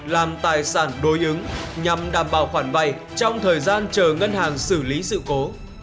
làm tài sản đối ứng nhằm đảm bảo khoản vay trong thời gian chờ ngân hàng xử lý sự cố